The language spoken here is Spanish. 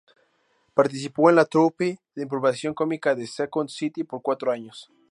Participó en la troupe de improvisación cómica The Second City por cuatro años.